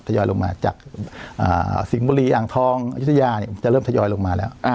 ถยอยลงมาจากสิงบุรีอังทองยุฒิยาจะเริ่มถยอยลงมาแล้ว